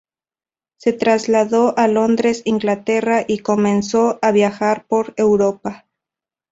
Se trasladó a Londres, Inglaterra, y comenzó a viajar por Europa.